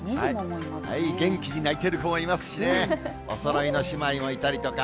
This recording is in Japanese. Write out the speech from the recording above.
元気に泣いてる子もいますしね、おそろいの姉妹もいたりとか。